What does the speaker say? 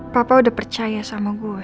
papa udah percaya sama gue